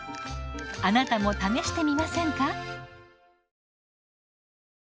あなたも試してみませんか？